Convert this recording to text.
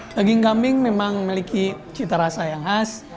daging kambing memang memiliki cita rasa yang khas